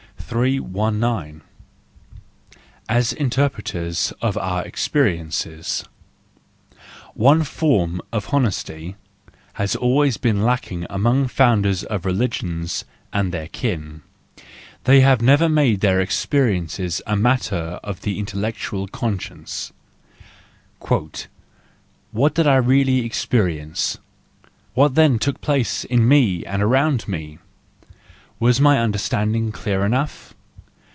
THE JOYFUL WISDOM, IV 24& 319 As Interpreters of our Experiences .—One form of honesty has always been lacking among founders of religions and their kin :—they have never made their experiences a matter of the intellectual con¬ science. " What did I really experience ? What then took place in me and around me? Was my understanding clear enough?